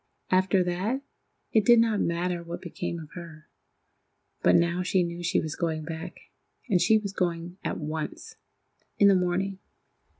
After that, it did not matter what became of her; but now she knew she was going back, and she was going at once—in the morning.